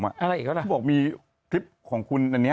อะไรอีกแล้วนะเขาบอกมีคลิปของคุณอันนี้